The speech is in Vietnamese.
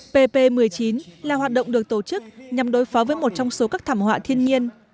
pp một mươi chín là hoạt động được tổ chức nhằm đối phó với một trong số các thảm họa thiên nhiên